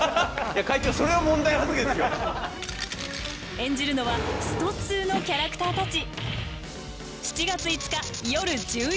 演じるのは「ストツー」のキャラクターたち。